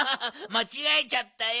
まちがえちゃったよ。